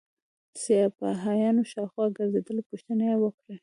سپاهیان شاوخوا ګرځېدل او پوښتنې یې وکړې.